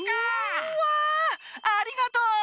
うわありがとう！